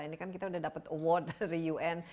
ini kan kita sudah dapat award dari un